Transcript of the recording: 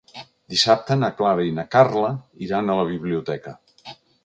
Dissabte na Clara i na Carla iran a la biblioteca.